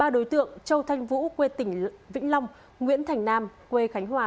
ba đối tượng châu thanh vũ quê tỉnh vĩnh long nguyễn thành nam quê khánh hòa